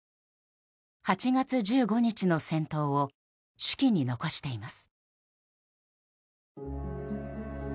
８月１５日の戦闘を手記に残しています。